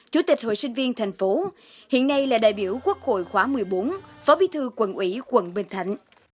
chủ tịch hội sinh viên thành phố hiện nay là đại biểu quốc hội khóa một mươi bốn phó bí thư quận ủy quận bình thạnh